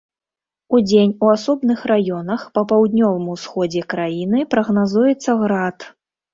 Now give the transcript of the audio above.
Удзень у асобных раёнах па паўднёвым усходзе краіны прагназуецца град.